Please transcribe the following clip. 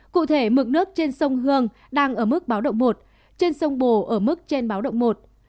cụ thể mực nước trên sông hương đang ở mức báo động một trên sông bồ ở mức trên báo động một